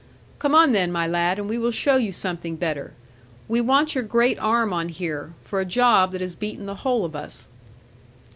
'Come on then, my lad; and we will show you some thing better. We want your great arm on here, for a job that has beaten the whole of us.'